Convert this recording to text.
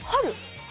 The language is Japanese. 春？